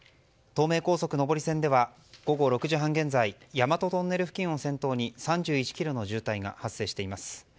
東名高速上り線では午後６時半現在大和トンネル付近を先頭に３１ｋｍの渋滞が発生しています。